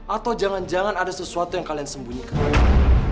atau jangan jangan ada sesuatu yang kalian sembunyikan